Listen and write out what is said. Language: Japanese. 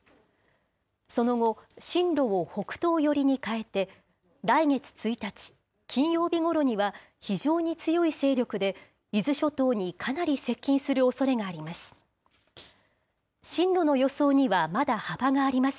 その後、進路を北東寄りに変えて、来月１日金曜日ごろには、非常に強い勢力で、伊豆諸島にかなり接近するおそれがあります。